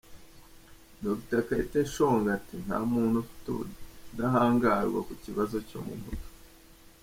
Dr Kayiteshonga ati “Nta muntu ufite ubudahangarwa ku kibazo cyo mu mutwe.